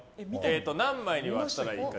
何枚に割ったらいいか。